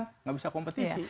tidak bisa kompetisi